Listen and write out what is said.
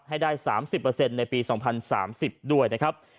ให้ได้๓๐ในปี๒๐๓๐ด้วยนะครับ